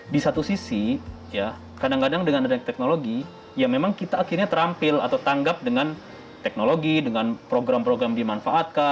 di satu sisi ya kadang kadang dengan adanya teknologi ya memang kita akhirnya terampil atau tanggap dengan teknologi dengan program program dimanfaatkan